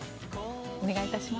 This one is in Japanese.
お願いいたします。